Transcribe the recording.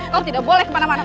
kalau tidak boleh kemana mana